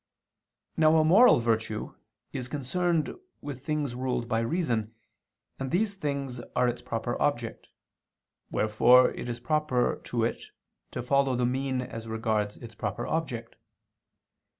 Now a moral virtue is concerned with things ruled by reason, and these things are its proper object; wherefore it is proper to it to follow the mean as regards its proper object.